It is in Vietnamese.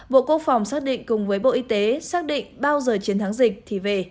bộ quốc phòng xác định cùng với bộ y tế xác định bao giờ chiến thắng dịch thì về